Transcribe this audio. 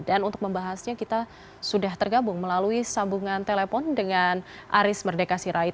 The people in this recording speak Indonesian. dan untuk membahasnya kita sudah tergabung melalui sambungan telepon dengan aris merdeka sirait